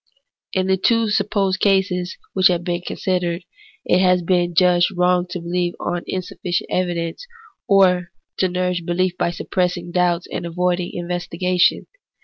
In the two supposed cases which have been con sidered, it has been judged wrong to beheve on insufficient evidence, or to nourish behef by suppressing doubts and avoiding investigation.